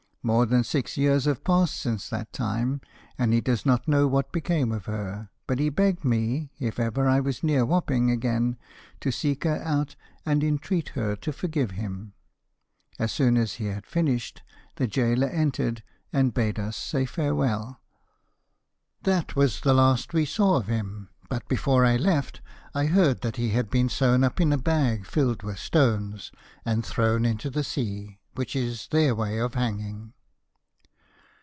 More than six years have passed since that time, and he does not know what became of her. But he begged me, if ever I was near Wapping again, to seek her out and entreat her to forgive him. As soon as he had finished, the gaoler entered and bade us say farewell. 'That was the last we saw of him, but before I left I heard that he had been sewn up in a bag filled with stones, and thrown into the sea, which is their way of hanging.'